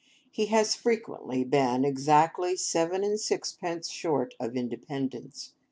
He has frequently been exactly seven and sixpence short of independence.